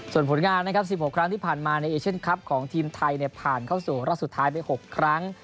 ส่วนผลงานนะครับ๑๖ครั้งที่ผ่านมาในเอเชียนคลับของทีมไทยผ่านเข้าสู่รอบสุดท้ายไป๖ครั้ง